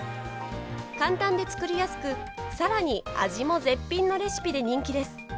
簡単で作りやすく、さらに味も絶品のレシピで人気です。